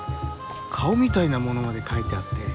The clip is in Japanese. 顔みたいなものまで描いてあって。